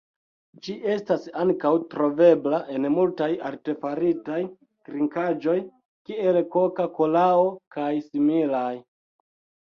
Ĝi estas ankaŭ trovebla en multaj artefaritaj trinkaĵoj, kiel koka-kolao kaj similaj.